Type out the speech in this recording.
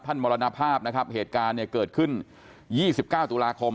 มรณภาพนะครับเหตุการณ์เนี่ยเกิดขึ้น๒๙ตุลาคม